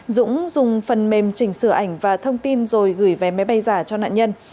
dũng dùng phần mềm chỉnh sửa ảnh và thông tin rồi gửi về máy bay giả cho nạn nhân